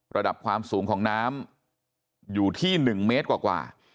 ระดับความสูงของน้ำอยู่ที่๑เมตรกว่า